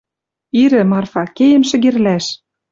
Ирӹ, Марфа, кеем шӹгерлӓш.